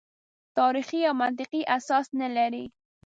تاریخي او منطقي اساس نه لري.